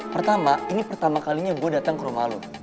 pertama ini pertama kalinya gue datang ke rumah lo